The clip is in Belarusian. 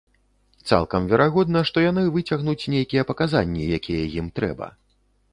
Цалкам верагодна, што яны выцягнуць нейкія паказанні, якія ім трэба.